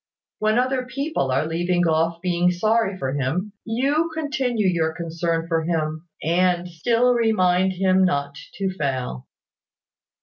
When other people are leaving off being sorry for him, you continue your concern for him, and still remind him not to fail."